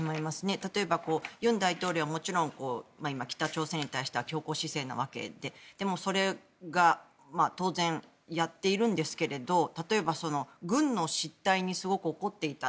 例えば尹大統領はもちろん今、北朝鮮に対しては強硬姿勢なわけででもそれが当然やっているんですけれど例えば軍の失態にすごく怒っていた。